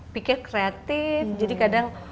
pikir kreatif jadi kadang